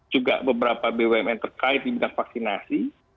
juga beberapa bumn terkait di bidang vaksinasi